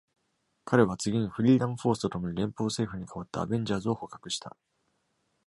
彼は次に、フリーダムフォースと共に連邦政府に代わってアベンジャーズを捕獲した。